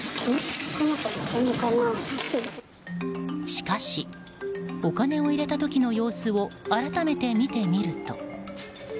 しかしお金を入れた時の様子を改めて見てみると。